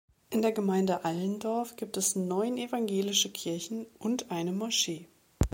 In der Gemeinde Allendorf gibt es neun evangelische Kirchen und eine Moschee.